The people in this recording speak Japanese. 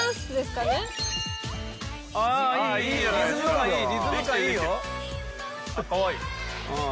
かわいい。